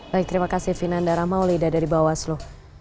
baik terima kasih vinanda ramaulida dari bawaslu